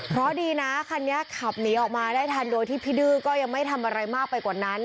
เพราะดีนะคันนี้ขับหนีออกมาได้ทันโดยที่พี่ดื้อก็ยังไม่ทำอะไรมากไปกว่านั้น